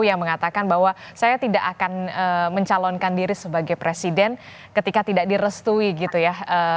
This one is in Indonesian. yang mengatakan bahwa saya tidak akan mencalonkan diri sebagai presiden ketika tidak direstui gitu ya